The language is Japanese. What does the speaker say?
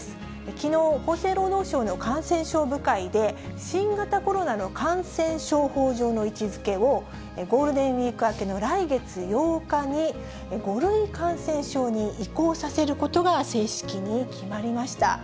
きのう、厚生労働省の感染症部会で、新型コロナの感染症法上の位置づけを、ゴールデンウィーク明けの来月８日に５類感染症に移行させることが正式に決まりました。